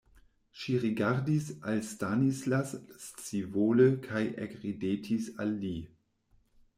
Ŝi rigardis al Stanislas scivole kaj ekridetis al li.